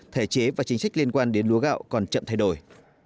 thể chế và chính sách liên quan đến lúa gạo còn chậm thay đổi